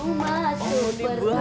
perasaan yang berbeda